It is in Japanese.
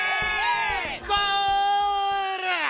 ゴール！